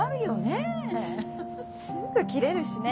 すぐキレるしね。